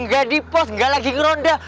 gak di pos gak lagi ngeronda